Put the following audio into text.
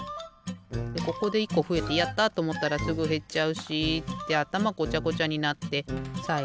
でここで１こふえて「やった！」とおもったらすぐへっちゃうしってあたまごちゃごちゃになってさいご